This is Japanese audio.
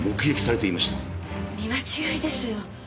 見間違いですよ。